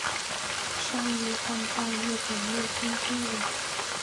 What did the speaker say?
山梨半造日本陆军军人。